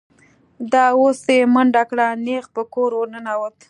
دا اوس یې منډه کړه، نېغ په کور ور ننوت.